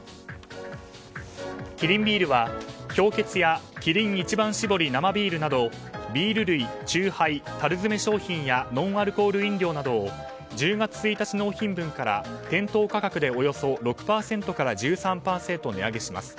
キリンビールは、氷結やキリン一番搾り生ビールなどビール類、酎ハイたる詰め商品やノンアルコール飲料などを１０月１日納品分から店頭価格でおよそ６％から１３％値上げします。